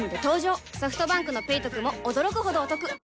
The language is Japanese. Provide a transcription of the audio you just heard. ソフトバンクの「ペイトク」も驚くほどおトク